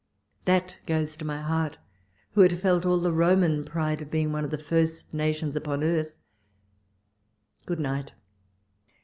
That goes to viy heart, who had felt all the Roman pride of being one of the first nations upon earth !— Good night